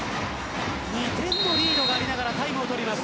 ２点のリードがありながらタイムを取ります。